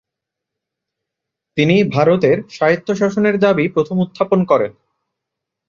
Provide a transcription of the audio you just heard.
তিনি ভারতের স্বায়ত্তশাসনের দাবি প্রথম উত্থাপন করেন।